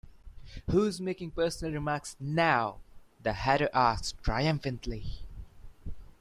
‘Who’s making personal remarks now?’ the Hatter asked triumphantly.